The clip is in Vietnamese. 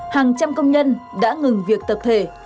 hàng trăm công nhân đã ngừng việc tập thể